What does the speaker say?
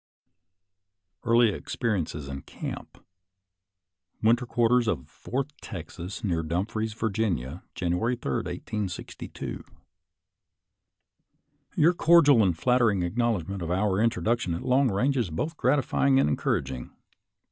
eaelt experiences in camp Winter Quarters op Fourth Texas, Near Dumfries, Va., January 3, 1862. Your cordial and flattering acknowledgment of our introduction at long range is both gratify ing and encouraging.